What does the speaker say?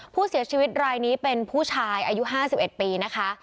ผู้เสียชีวิตรายนี้เป็นผู้ชายอายุ๕๑ปีนะคะ